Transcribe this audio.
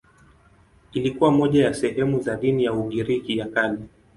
Ilikuwa moja ya sehemu za dini ya Ugiriki ya Kale.